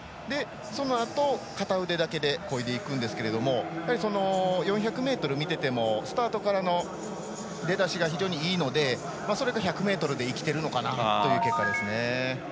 そのあと、片腕だけでこいでいくんですけど４００ｍを見ていてもスタートからの出だしが非常にいいのでそれが１００ｍで生きているのかなという結果です。